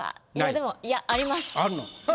でもいやあります。